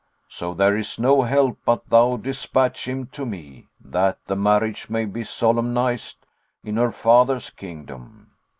So there is no help but thou despatch him to me, that the marriage may be solemnized in her father's kingdom."